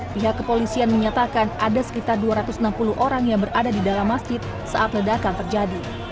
pihak kepolisian menyatakan ada sekitar dua ratus enam puluh orang yang berada di dalam masjid saat ledakan terjadi